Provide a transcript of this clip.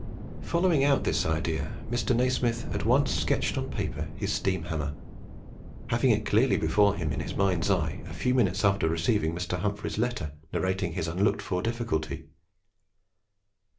Following out this idea, Mr. Nasmyth at once sketched on paper his steam hammer, having it clearly before him in his mind's eye a few minutes after receiving Mr. Humphries' letter narrating his unlooked for difficulty.